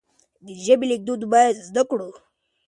د ژبې ليکدود بايد زده کړو.